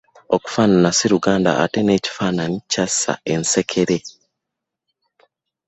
Okufaanana si luganda ate n'ekifaananyi kyassa ensekere.